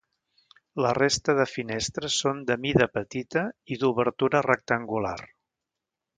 La resta de finestres són de mida petita i d'obertura rectangular.